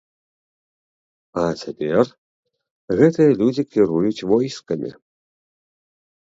А цяпер гэтыя людзі кіруюць войскамі!